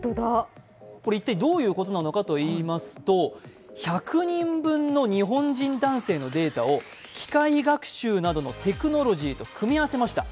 一体どういうことなのかといいますと１００人分の日本人男性のデータを機械学習などのテクノロジーと組み合わせました。